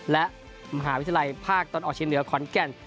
และมหาวิทยาลัยภาคตอนออกเชียงเหนือขอนแก่น